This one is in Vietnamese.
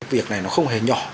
việc này nó không hề nhỏ